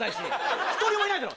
１人もいないだろ。